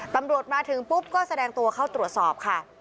ตำรวจมาถึงปุ๊บก็แสดงตัวเข้าตรวจสอบค่ะ